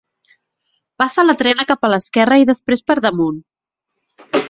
Passa la trena cap a l'esquerra i després per damunt.